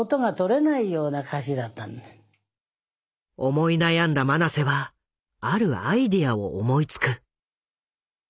思い悩んだ曲直瀬はあるアイデアを思いつく。